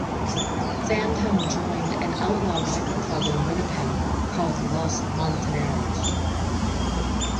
Sandham joined an outlaw biker club in Winnipeg called los Montoneros.